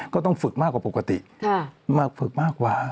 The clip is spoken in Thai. ก็ต้องฝึกมากกว่าปกติมากฝึกมากกว่า